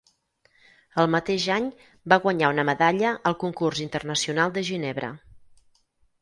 El mateix any va guanyar una medalla al Concurs Internacional de Ginebra.